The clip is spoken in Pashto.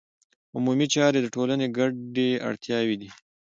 عمومي چارې د ټولنې ګډې اړتیاوې دي.